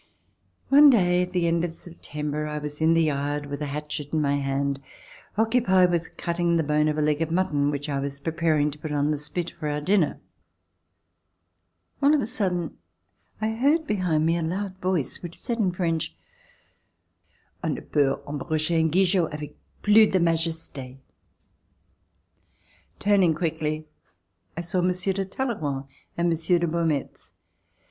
One day at the end of September, I was in the yard with a hatchet in my hand, occupied with cutting the bone of a leg of mutton which I was pre paring to put on the spit for our dinner. All of a sudden, I heard behind me a loud voice which said in French: *'0n ne peut embrocher un gigot avec plus de majeste." Turning quickly, I saw Monsieur de Talleyrand and Monsieur de Beaumetz.